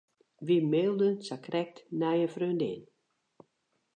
Wy mailden sakrekt nei in freondin.